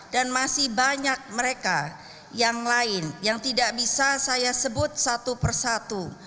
dan masih banyak mereka yang lain yang tidak bisa saya sebut satu persatu